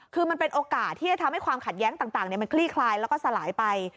คือมันเป็นโอกาสที่จะทำให้ความขัดแย้งต่างมันคลี่คลายแล้วก็สลายไป